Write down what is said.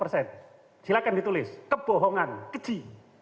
silahkan ditulis kebohongan keji